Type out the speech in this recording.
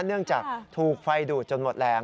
เนื่องจากถูกไฟดูดจนหมดแรง